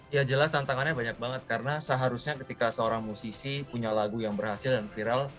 ya jelas tantangannya banyak banget karena seharusnya ketika seorang musisi punya lagu yang berhasil dan viral